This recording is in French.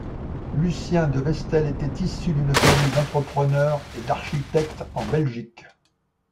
Lucien De Vestel était issu d'une famille d'entrepreneurs et d'architectes en Belgique.